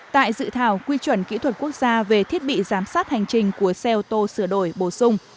tại dự thảo quy chuẩn kỹ thuật quốc gia về thiết bị giám sát hành trình của xe ô tô sửa đổi bổ sung